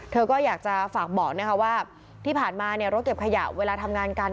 เธอก็อยากจะฝากบอกนะคะว่าที่ผ่านมารถเก็บขยะเวลาทำงานกัน